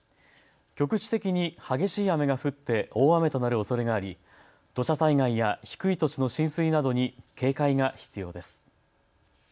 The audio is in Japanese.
局地的に激しい雨が降って大雨となるおそれがあり土砂災害や低い土地の浸水などに警戒が必要です。